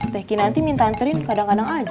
tehkin nanti minta anterin kadang kadang aja